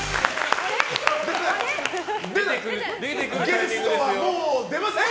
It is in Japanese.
ゲストはもう出ません！